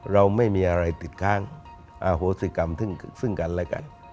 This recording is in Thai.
เราไม่มีอะไรติดค้างอโหสิกรรมซึ่งกันและกัน